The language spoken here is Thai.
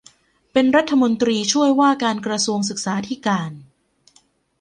เป็นรัฐมนตรีช่วยว่าการกระทรวงศึกษาธิการ